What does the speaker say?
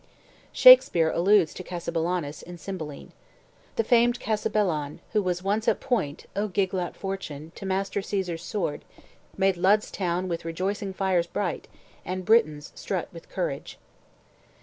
Shakspeare alludes to Cassibellaunus, in "Cymbeline": "The famed Cassibelan, who was once at point (O giglot fortune!) to master Caesar's sword, Made Lud's town with rejoicing fires bright, And Britons strut with courage."